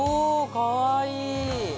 かわいい。